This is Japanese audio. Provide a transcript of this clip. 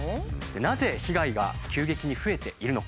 なぜ被害が急激に増えているのか。